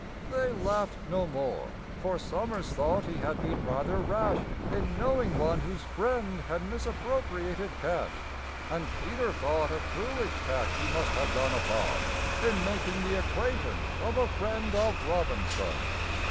They laughed no more, for SOMERS thought he had been rather rash In knowing one whose friend had misappropriated cash; And PETER thought a foolish tack he must have gone upon In making the acquaintance of a friend of ROBINSON.